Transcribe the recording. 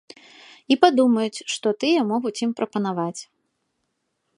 І падумаюць, што тыя могуць ім прапанаваць.